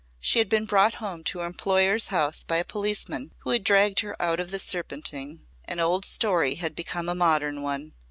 She had been brought home to her employer's house by a policeman who had dragged her out of the Serpentine. An old story had become a modern one.